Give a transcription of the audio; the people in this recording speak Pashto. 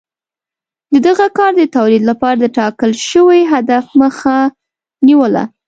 دغه کار د تولید لپاره د ټاکل شوي هدف مخه نیوله